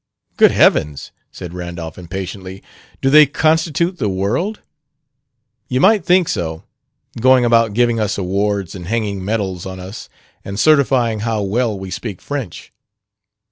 "Good heavens!" said Randolph impatiently. "Do they constitute the world? You might think so, going about giving us awards, and hanging medals on us, and certifying how well we speak French!